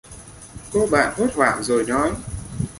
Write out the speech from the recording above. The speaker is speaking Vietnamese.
Cô bạn hốt hoảng rồi nói